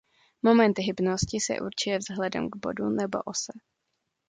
Moment hybnosti se určuje vzhledem k bodu nebo ose.